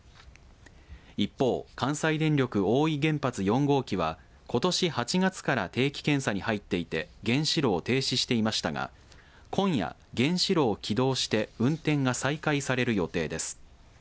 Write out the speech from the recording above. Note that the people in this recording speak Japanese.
一方、関西電力大飯原発４号機はことし８月から定期検査に入っていて原子炉を停止していましたが今夜原子炉を起動して運転が再開される予定です。